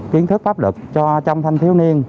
kiến thức pháp lực cho trong thanh thiếu niên